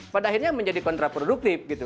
pada akhirnya menjadi kontraproduktif gitu